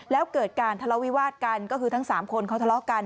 แล้วเกิดการทะเลาวิวาสกันก็คือทั้ง๓คนเขาทะเลาะกัน